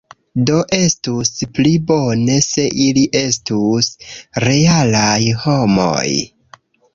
Do estus pli bone se ili estus realaj homoj.